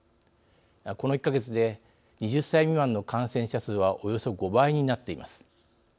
この１か月で２０歳未満の感染者数はおよそ５倍になっています。